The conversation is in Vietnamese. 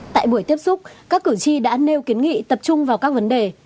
tại buổi tiếp xúc các cử tri đã nêu kiến nghị tập trung vào các vấn đề